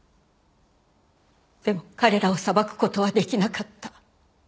でも彼らを裁く事は出来なかった。